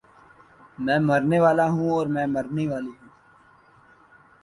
میں مرنے والا ہوں اور میں مرنے والی ہوں